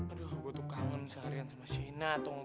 aduh gue tuh kangen seharian sama shaina tuh